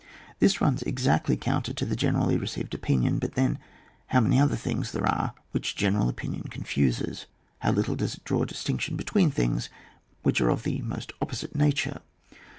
This runs exactly counter to the generally received opinion ; but then how many other things there are which general opinion confuses ; how little does it draw distinctions between things which are of the most opposite nature